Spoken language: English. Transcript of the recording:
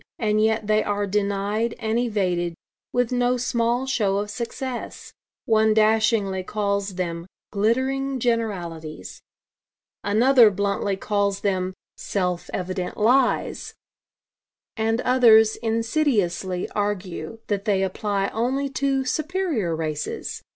And yet they are denied and evaded, with no small show of success. One dashingly calls them 'glittering generalities.' Another bluntly calls them 'self evident lies.' And others insidiously argue that they apply only to 'superior races.'